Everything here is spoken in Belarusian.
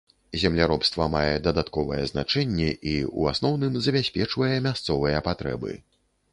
Земляробства мае дадатковае значэнне і, у асноўным, забяспечвае мясцовыя патрэбы.